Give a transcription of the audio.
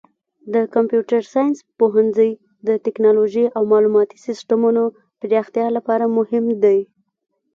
د کمپیوټر ساینس پوهنځی د تکنالوژۍ او معلوماتي سیسټمونو پراختیا لپاره مهم دی.